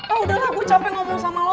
ah udahlah gue capek ngomong sama lo